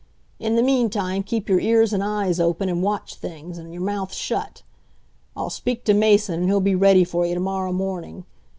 In the meantime, keep your ears and eyes open and watch things, and your mouth shut. I'll speak to Mason and he'll be ready for you to morrow morning.